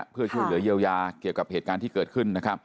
เพื่อช่วยเหลือเยียวยาเกี่ยวกับเหตุการณ์ที่เกิดขึ้นนะครับ